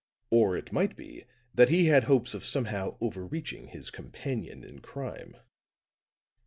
Or it might be that he had hopes of somehow over reaching his companion in crime."